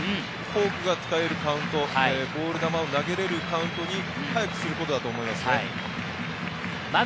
フォークが使えるカウント、ボール球を投げれるカウントに早くすることだと思います。